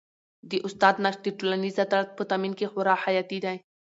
د استاد نقش د ټولنیز عدالت په تامین کي خورا حیاتي دی.